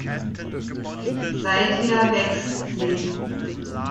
Seither wächst sie.